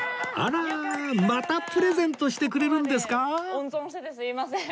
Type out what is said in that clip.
温存しててすいません。